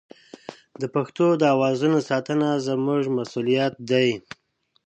د پښتو د اوازونو ساتنه زموږ مسوولیت دی.